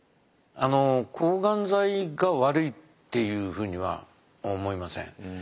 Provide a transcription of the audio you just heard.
抗がん剤が悪いっていうふうには思いません。